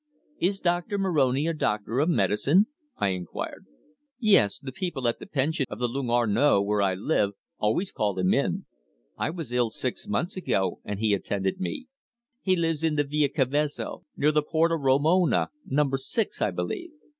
"Is Doctor Moroni a doctor of medicine?" I inquired. "Yes. The people at the pension of the Lung Arno where I live, always call him in. I was ill six months ago, and he attended me. He lives in the Via Cavezzo, near the Porta Romona number six, I believe."